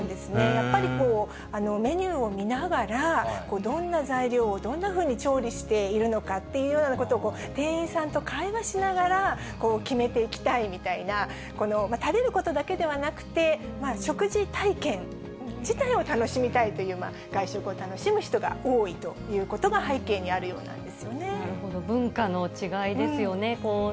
やっぱりメニューを見ながら、どんな材料をどんなふうに調理しているのかっていうようなことを、店員さんと会話しながら決めていきたいみたいな、食べることだけではなくて、食事体験自体を楽しみたいという、外食を楽しみたいという人が多いということが背景にあるようなんなるほど、文化の違いですよね。